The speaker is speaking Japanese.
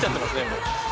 もう。